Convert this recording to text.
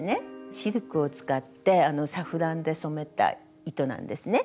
シルクを使ってサフランで染めた糸なんですね。